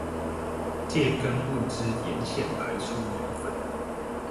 藉根部之鹽腺排出鹽分